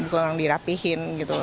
kurang dirapihin gitu